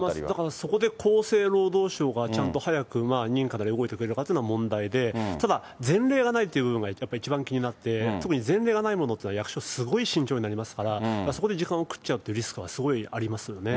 そこで厚生労働省がちゃんと早く認可なり、動いてくれるかというのは問題で、ただ、前例がないというのがやっぱり一番気になって、特に前例がないものというのは、役所、すごい慎重になりますから、そこで時間を食っちゃうっていうリスクはすごいあります